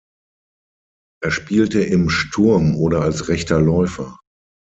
Er spielte im Sturm oder als rechter Läufer.